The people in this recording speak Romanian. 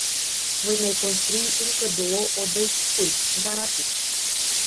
Voi mai construi încă două odăi cu fân, dar atât.